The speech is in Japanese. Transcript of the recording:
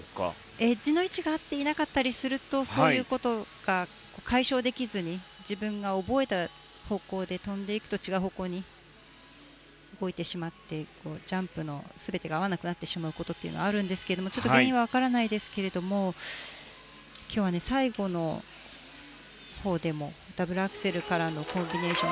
エッジの位置が合っていなかったりするとそういうことが解消できずに自分が覚えた方向で跳んでいくと違う方向に動いてしまってジャンプの全てが合わなくなってしまうことはあるんですけれども原因はわからないですが今日は最後のほうでもダブルアクセルからのコンビネーション